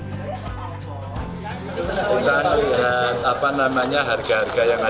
suasana lebarannya sudah mulai ada